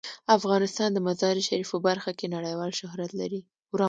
افغانستان د مزارشریف په برخه کې نړیوال شهرت لري.